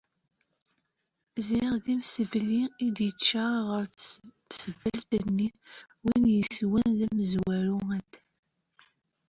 Ziɣ d imsebli i tger ɣer tsebbalt-nni, win yeswan d amezwaru, ad